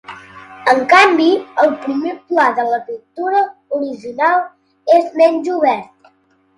En canvi, el primer pla de la pintura original és menys obert.